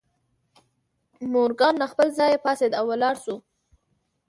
مورګان له خپل ځایه پاڅېد او ولاړ شو